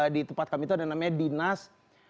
di tempat kami itu ada namanya dinas